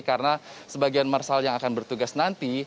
karena sebagian marsial yang akan bertugas nanti